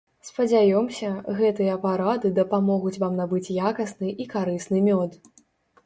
Спадзяёмся, гэтыя парады дапамогуць вам набыць якасны і карысны мёд.